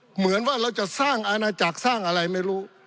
เหมือนว่าเราจะสร้างอาณาจักรสร้างอะไรไม่รู้